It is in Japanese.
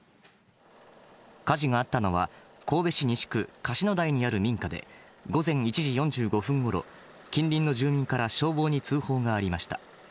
火事があったのは神戸市西区樫野台にある民家で、午前１時４５分頃、近隣の住民から消防に通報がありました。